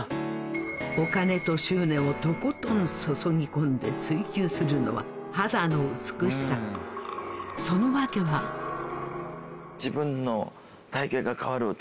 お金と執念をとことん注ぎ込んで追求するのは肌の美しさその訳はだけど。